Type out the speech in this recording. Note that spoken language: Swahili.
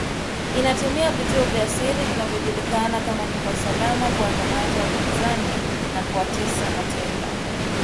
inatumia vituo vya siri vinavyojulikana kama nyumba salama kuwakamata wapinzani na kuwatesa mateka